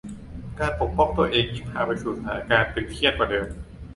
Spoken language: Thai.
การปกป้องตัวเองยิ่งพาไปสู่สถานการณ์ตึงเครียดกว่าเดิม